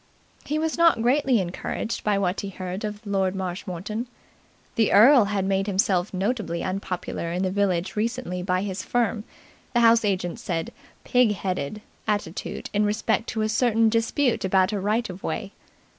He was not greatly encouraged by what he heard of Lord Marshmoreton. The earl had made himself notably unpopular in the village recently by his firm the house agent said "pig headed" attitude in respect to a certain dispute about a right of way.